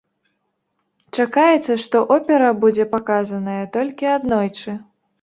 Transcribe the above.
Чакаецца, што опера будзе паказаная толькі аднойчы.